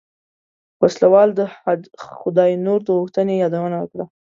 وسله وال د خداينور د غوښتنې يادونه وکړه.